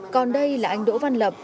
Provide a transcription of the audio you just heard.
còn đây là anh đỗ văn lập